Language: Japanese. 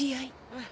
うん。